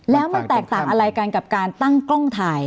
แล้วมันแตกต่างอะไรกันกับการตั้งกล้องถ่าย